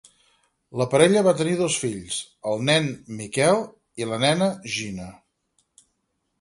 La parella va tenir dos fills: el nen, Miquel, i la nena, Gina.